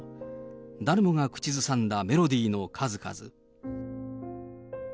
誰もが口ずさんだメロディーの数々。